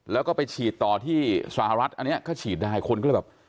แล้วก็ไปฉีดต่อที่สหรัฐอันนี้ก็ฉีดได้คนก็เลยแบบ